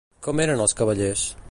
Com eren els cavallers?